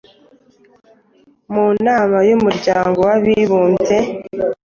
Mu nama y’Umuryango w’Abibumbye,